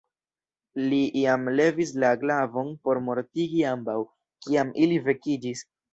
Li jam levis la glavon por mortigi ambaŭ, kiam ili vekiĝis.